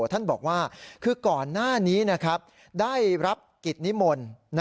ท่านบอกว่าคือก่อนหน้านี้ได้รับกิจนิมนต์